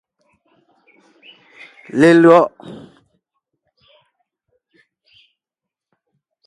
Lelÿɔ’.